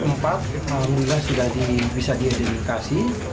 empat malam ini sudah bisa diidentifikasi